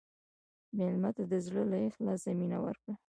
مېلمه ته د زړه له اخلاصه مینه ورکړه.